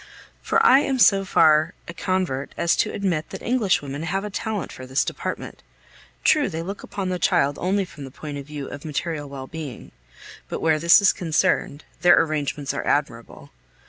For I am so far a convert as to admit that English women have a talent for this department. True, they look upon the child only from the point of view of material well being; but where this is concerned, their arrangements are admirable.